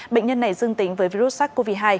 bệnh nhân này dương tính với virus sars cov hai